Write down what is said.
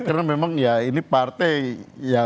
karena memang ya ini partai